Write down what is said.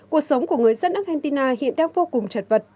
cuộc sống của người dân argentina hiện đang vô cùng chật vật